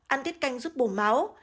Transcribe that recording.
ăn tiết canh giúp bổ máu